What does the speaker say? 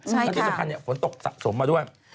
แล้วที่สำคัญฝนตกสะสมมาด้วย